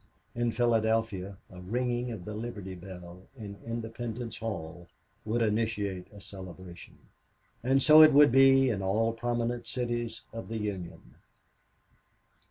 In Philadelphia a ringing of the Liberty Bell in Independence Hall would initiate a celebration. And so it would be in all prominent cities of the Union.